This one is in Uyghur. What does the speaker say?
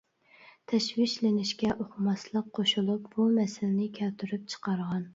تەشۋىشلىنىشكە ئۇقماسلىق قوشۇلۇپ بۇ مەسىلىنى كەلتۈرۈپ چىقارغان.